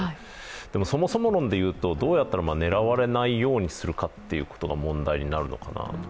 でもそもそも論で言うとどうやったら狙われないようにするかということが問題になるのかな。